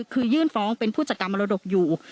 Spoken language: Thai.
คือยื่นฟ้องเป็นผู้จัดการมรดกอยู่